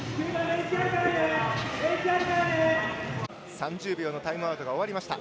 ３０秒のタイムアウトが終わりました。